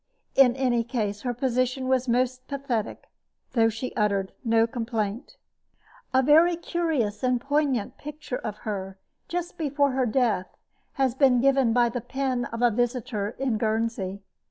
In any case, her position was most pathetic, though she uttered no complaint. A very curious and poignant picture of her just before her death has been given by the pen of a visitor in Guernsey.